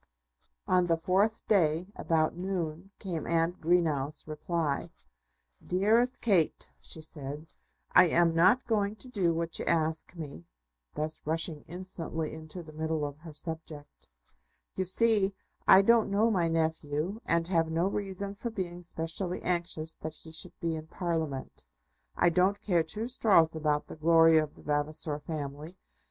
On the fourth day, about noon, came Aunt Greenow's reply. "Dearest Kate," she said, "I am not going to do what you ask me," thus rushing instantly into the middle of her subject. You see, I don't know my nephew, and have no reason for being specially anxious that he should be in Parliament. I don't care two straws about the glory of the Vavasor family.